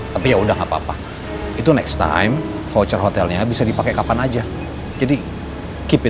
tapi yaudah gak apa apa itu next time voucher hotelnya bisa dipake kapan aja jadi keep it